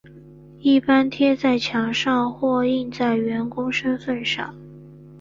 一般贴在墙上或印在雇员身份上。